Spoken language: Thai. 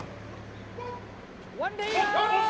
อัศวินธรรมชาติ